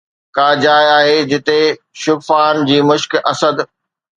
ڪا جاءِ آهي جتي شغفان جي مشق اسد!